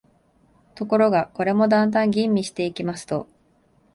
ところが、これもだんだん吟味していきますと、